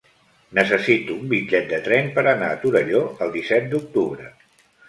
Necessito un bitllet de tren per anar a Torelló el disset d'octubre.